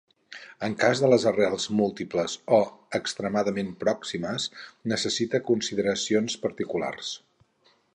El cas de les arrels múltiples, o extremadament pròximes, necessita consideracions particulars.